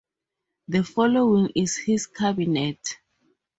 The following is his cabinet.